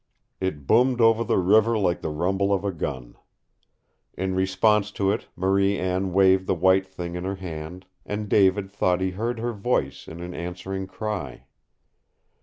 It boomed over the river like the rumble of a gun. In response to it Marie Anne waved the white thing in her hand, and David thought he heard her voice in an answering cry.